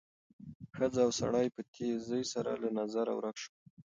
ښځه او سړی په تېزۍ سره له نظره ورک شول.